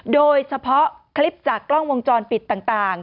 โดยเฉพาะคลิปจากกล้องวงจรปิดต่าง